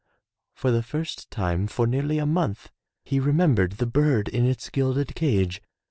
For the first time for nearly a month he remembered the bird in its gilded cage.